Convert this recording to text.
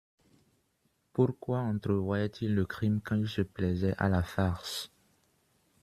Pourquoi entrevoyait-il le crime, quand ils se plaisaient à la farce?